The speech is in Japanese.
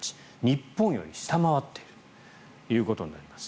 日本より下回っているということになります。